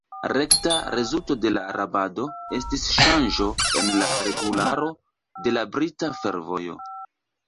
Rekta rezulto de la rabado estis ŝanĝo en la regularo de la brita fervojo.